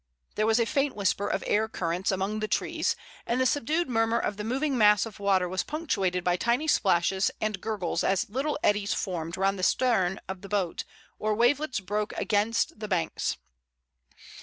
There was a faint whisper of air currents among the trees, and the subdued murmur of the moving mass of water was punctuated by tiny splashes and gurgles as little eddies formed round the stem of the boat or wavelets broke against the banks.